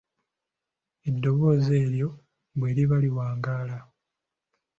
Eddoboozi eryo bwe liba liwangaala